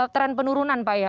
tren penurunan pak ya